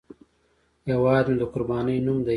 هیواد مې د قربانۍ نوم دی